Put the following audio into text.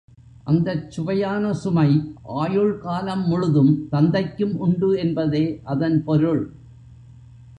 அந்தச் சுவையான சுமை ஆயுள்காலம் முழுதும் தந்தைக்கும் உண்டு என்பதே அதன் பொருள்.